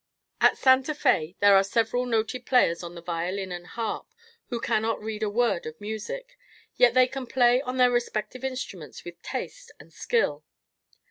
At Santa Fé there are several noted players on the violin and harp who cannot read a word of music, yet they can play on their respective instruments with taste and skill.